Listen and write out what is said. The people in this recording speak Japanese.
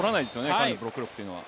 彼のブロック力というのは。